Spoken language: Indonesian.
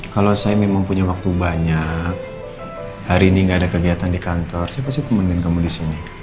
kalau saya memang punya waktu banyak hari ini nggak ada kegiatan di kantor saya pasti temenin kamu disini